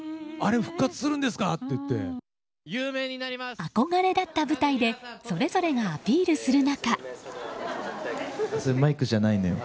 憧れだった舞台でそれぞれがアピールする中。